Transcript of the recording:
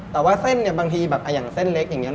แต่ว่าเส้นเนี่ยบางทีแบบอย่างเส้นเล็กอย่างนี้